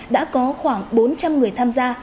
đã có khoảng bốn trăm linh người tham gia